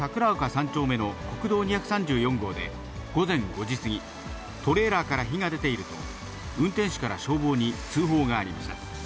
３丁目の国道２３４号で午前５時過ぎ、トレーラーから火が出ていると、運転手から消防に通報がありました。